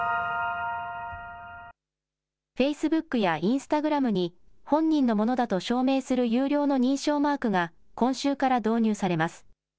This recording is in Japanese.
フェイスブックやインスタグラムに、本人のものだと証明する有料の認証マークが今週から導入されます。